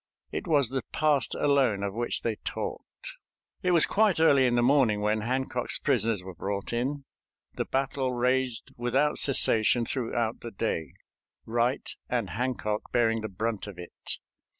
It was the past alone of which they talked. It was quite early in the morning when Hancock's prisoners were brought in. The battle raged without cessation throughout the day, Wright and Hancock bearing the brunt of it.